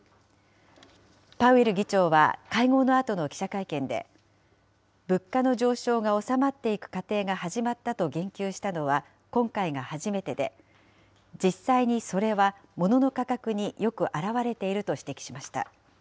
パウエル議長は会合のあとの記者会見で、物価の上昇が収まっていく過程が始まったと言及したのは今回が初めてで、実際にそれはモノの価格によく表れていると指摘しました。